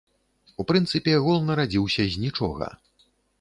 У прынцыпе, гол нарадзіўся з нічога.